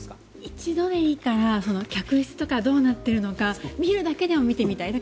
一度でいいから客室とかどうなっているのか見るだけでも見てみたい。